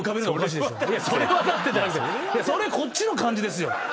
それこっちの感じですよ。